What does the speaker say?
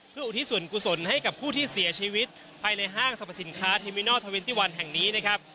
เพื่ออุทิศส่วนกุศลให้กับผู้ที่เสียชีวิตภายในห้างสรรพสินค้าเทมินอลเทอร์เวนตี้วันแห่งนี้นะครับ